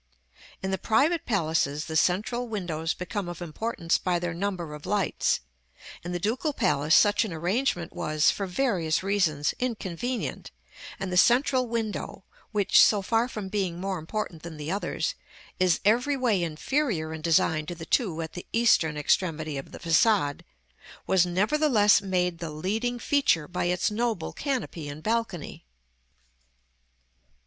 In the private palaces the central windows become of importance by their number of lights; in the Ducal Palace such an arrangement was, for various reasons, inconvenient, and the central window, which, so far from being more important than the others, is every way inferior in design to the two at the eastern extremity of the façade, was nevertheless made the leading feature by its noble canopy and balcony.